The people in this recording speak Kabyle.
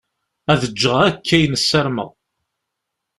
Ad ǧǧeɣ akk ayen ssarameɣ.